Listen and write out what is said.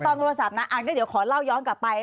โทรศัพท์นะก็เดี๋ยวขอเล่าย้อนกลับไป